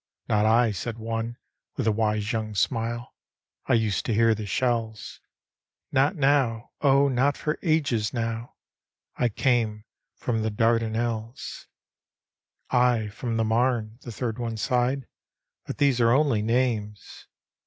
" Not 1," said one, with a wise young smile, " I used to hear the shells. Not now ; oh, not for ^es now I I came f r<Hn the Dar danelles." " I from the Marne," the third one sighed, " but these are only names.